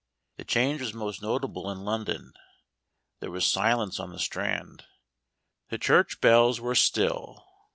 The change was most notable in London. There was silence on the Strand. The church bells were still.